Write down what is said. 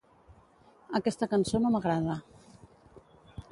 Aquesta cançó no m'agrada.